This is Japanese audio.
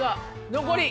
残り。